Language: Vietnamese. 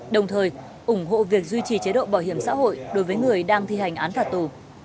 đồng thời ủng hộ việc duy trì chế độ bảo hiểm xã hội đối với người đang thi hành án phạt tù